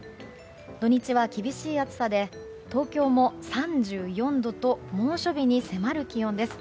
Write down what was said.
土日は厳しい暑さで東京も３４度と猛暑日に迫る気温です。